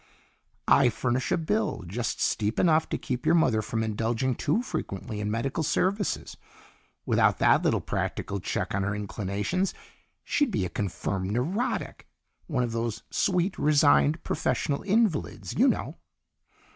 "I furnish a bill just steep enough to keep your mother from indulging too frequently in medical services. Without that little practical check on her inclinations, she'd be a confirmed neurotic. One of those sweet, resigned, professional invalids, you know."